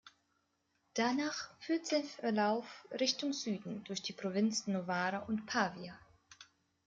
Danach führt sein Verlauf Richtung Süden durch die Provinzen Novara und Pavia.